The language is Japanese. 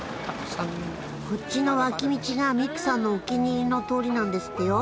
こっちの脇道がミックさんのお気に入りの通りなんですってよ。